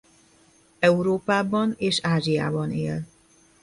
Európában és Ázsiában él.